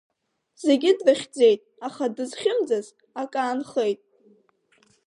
Зегьы дрыхьӡеит, аха дызхьымӡаз, ак аанхеит.